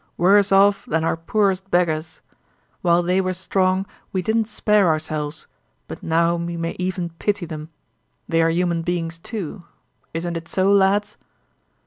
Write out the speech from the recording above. "Worse off than our poorest beggars. While they were strong we didn't spare ourselves, but now we may even pity them. They are human beings too. Isn't it so, lads?"